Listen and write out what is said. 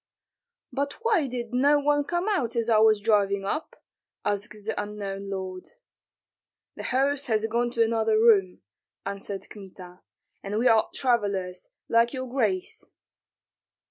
"But why did no one come out as I was driving up?" asked the unknown lord. "The host has gone to another room," answered Kmita, "and we are travellers, like your grace."